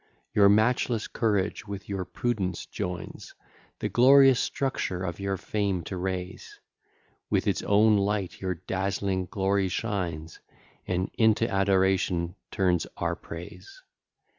Your matchless courage with your prudence joins, The glorious structure of your fame to raise; With its own light your dazzling glory shines, And into adoration turns our praise.